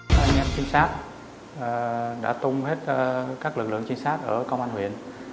tổ trinh sát đã tung hết các lực lượng trinh sát ở công an huyện